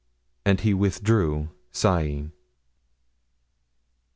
And he withdrew, sighing.